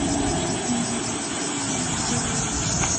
略称为新机场道。